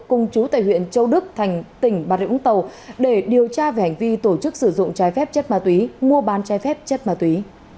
cùng chú tại huyện châu đức tỉnh bà rịa úng tàu để điều tra về hành vi tổ chức sử dụng trái phép chất ma túy mua bán chai phép chất ma túy